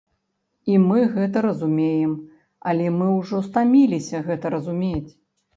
І мы гэта разумеем, але мы ўжо стаміліся гэта разумець.